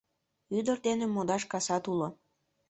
— Ӱдыр дене модаш касат уло.